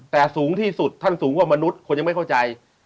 แต่สูงที่สุดท่านสูงกว่ามนุษย์คนยังไม่เข้าใจ